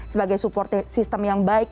sebagai support system yang baik